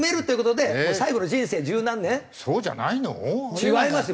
違いますよ！